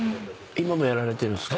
今もやられてるんですか？